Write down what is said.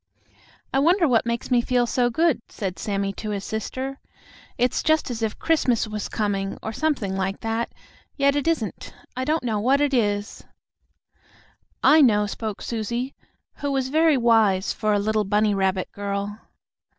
"I wonder what makes me feel so good?" said Sammie to his sister. "It's just as if Christmas was coming, or something like that; yet it isn't. I don't know what it is." "I know," spoke Susie, who was very wise for a little bunny rabbit girl.